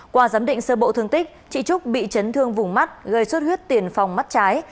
qua giám định sơ bộ thương tích chị trúc bị chấn thương vùng mắt gây suốt huyết tiền phòng mắt trái